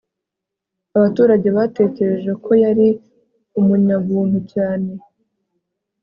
Abaturage batekereje ko yari umunyabuntu cyane